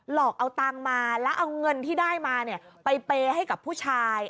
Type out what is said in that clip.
หลอกเอาตังค์มาแล้วเอาเงินที่ได้มาเนี่ยไปเปย์ให้กับผู้ชาย